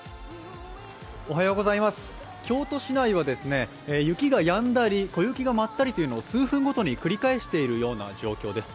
京都市内は雪がやんだり小雪が舞ったりというのを数分ごとに繰り返している状況です。